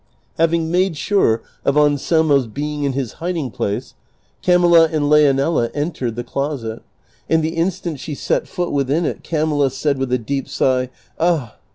Having made sure of Anselmo's being in his hiding place, Camilla and Leonela entered the closet, and the instant she set foot within it Camilla said, with a deep sigh, "Ah